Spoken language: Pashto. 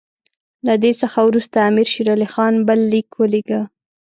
له دې څخه وروسته امیر شېر علي خان بل لیک ولېږه.